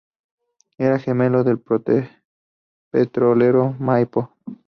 Era gemelo del petrolero Maipo.